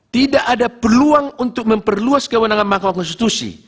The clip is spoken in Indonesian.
tidak ada peluang untuk memperluas kewenangan mahkamah konstitusi